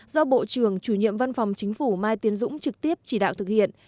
do bộ trưởng chủ nhiệm văn phòng chính phủ mai tiến dũng trực tiếp chỉ đạo thực hiện